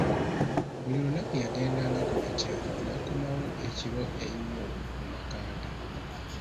Buli lunaku yagenda nga kumakya n'akomawo ekiro ennyo mu maka ge.